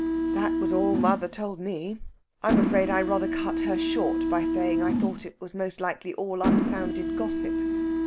"That was all mother told me. I'm afraid I rather cut her short by saying I thought it was most likely all unfounded gossip.